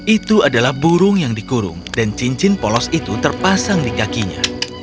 itu adalah burung yang dikurung dan cincin polos itu terpasang di kakinya